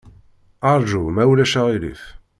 Ṛju, ma ulac aɣilif.